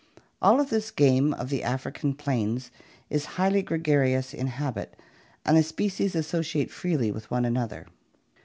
All of this game of the African plains is highly gregarious in habit, and the species associate freely with one another.